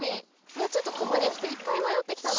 わっちょっとここにきていっぱいまよってきたな。